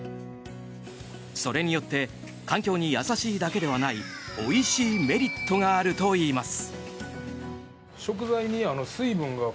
それによって環境に優しいだけではないおいしいメリットがあるといいます。